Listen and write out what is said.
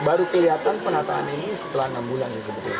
baru kelihatan penataan ini setelah enam bulan